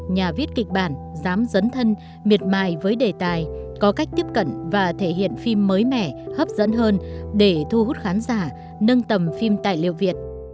nhà viết kịch bản dám dấn thân miệt mài với đề tài có cách tiếp cận và thể hiện phim mới mẻ hấp dẫn hơn để thu hút khán giả nâng tầm phim tài liệu việt